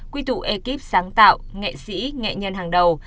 quy tụ ekip sáng tạo nghệ sĩ nghệ nhân hàng đầu